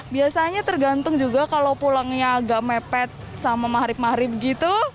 biasanya tergantung juga kalau pulangnya agak mepet sama mahrib mahrib gitu